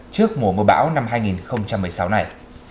trước mùa mưa bão năm hai nghìn một mươi sáu này